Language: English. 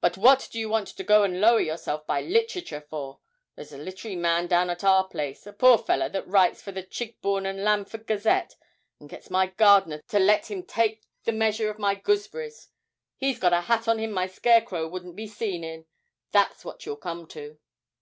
But what do you want to go and lower yourself by literature for? There's a littery man down at our place, a poor feller that writes for the "Chigbourne and Lamford Gazette," and gets my gardener to let him take the measure of my gooseberries; he's got a hat on him my scarecrow wouldn't be seen in. That's what you'll come to!'